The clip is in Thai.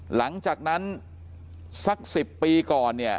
หลังจากนั้นสัก๑๐ปีก่อนเนี่ย